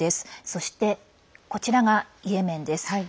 そして、ここがイエメンです。